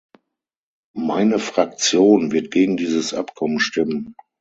Meine Fraktion wird gegen dieses Abkommen stimmen.